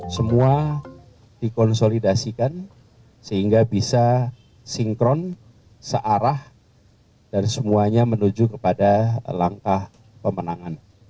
semua dikonsolidasikan sehingga bisa sinkron searah dan semuanya menuju kepada langkah pemenangan